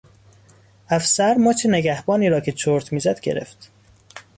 افسر مچ نگهبانی را که چرت میزد گرفت.